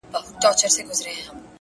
زه به د ميني يوه در زده کړم،